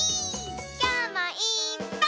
きょうもいっぱい。